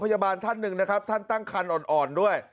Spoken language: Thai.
ท่านหนึ่งนะครับท่านตั้งคันอ่อนด้วย